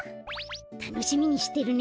たのしみにしてるね。